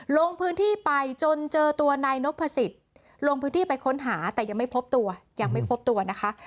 ลงพื้นที่ไปจนเจอตัวนายนพสิทธิ์ลงพื้นที่ไปค้นหาแต่ยังไม่พบตัวยังไม่พบตัวนะคะ